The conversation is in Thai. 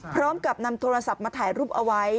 พร้อมกับนำโทรศัพท์มาถ่ายรูปเอาไว้